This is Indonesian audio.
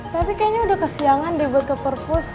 tapi kayaknya udah kesiangan deh buat ke perpus